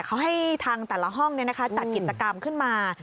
เขาให้ทางแต่ละห้องจัดกิจกรรมขึ้นมา